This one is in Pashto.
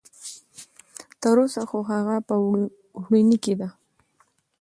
تر اوسه خو هغه په وړوني کې ده.